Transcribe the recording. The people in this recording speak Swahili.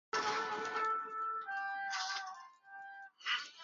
Na moja kati ya waburudishaji wenye mvuto mkubwa